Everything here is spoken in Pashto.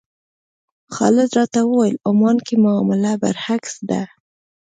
خالد راته وویل عمان کې معامله برعکس ده.